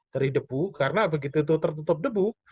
dari debu karena begitu itu tertutup debu